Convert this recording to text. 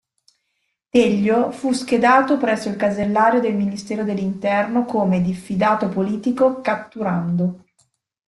Teglio fu schedato presso il casellario del ministero dell'Interno come “diffidato politico, catturando”.